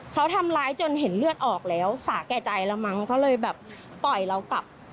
เขาทำร้ายจนเห็นเลือดออกแล้วสาแก่ใจแล้วมั้งเขาเลยแบบปล่อยเรากลับ